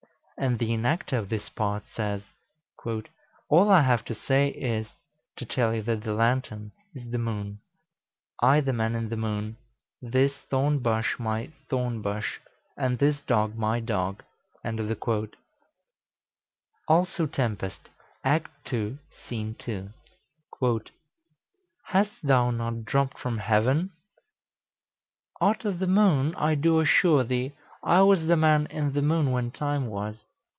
And the enacter of this part says, "All I have to say is, to tell you that the lantern is the moon; I the man in the moon; this thorn bush my thorn bush; and this dog my dog." Also "Tempest," Act 2, Scene 2: "Cal. Hast thou not dropt from heaven? "Steph. Out o' th' moon, I do assure thee. I was the man in th' moon when time was.